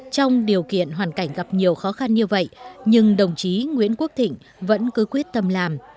trong điều kiện hoàn cảnh gặp nhiều khó khăn như vậy nhưng đồng chí nguyễn quốc thịnh vẫn cứ quyết tâm làm